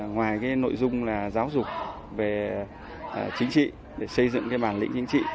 ngoài nội dung giáo dục về chính trị xây dựng bản lĩnh chính trị